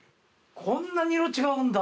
こんなに色違うんだ。